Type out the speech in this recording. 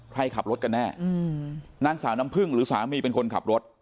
ใครขับรถกันแน่นางสาวน้ำพึ่งหรือสามีเป็นคนขับรถ